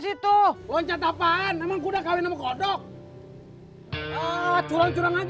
situ loncat apaan memang kuda kawin kodok curang curang aja loh